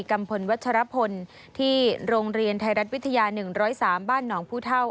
ัมพลวัชรพลที่โรงเรียนไทยรัฐวิทยา๑๐๓บ้านหนองผู้เท่า